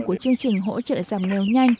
của chương trình hỗ trợ giảm nghèo nhanh